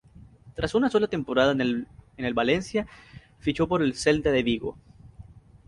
Tras una sola temporada en el Valencia, fichó por el Celta de Vigo.